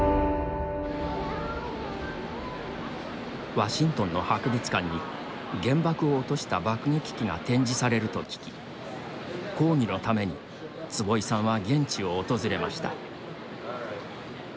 ワシントンの博物館に原爆を落とした爆撃機が展示されると聞き抗議のために坪井さんは現地を訪れました。